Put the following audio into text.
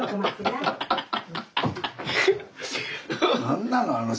何なの？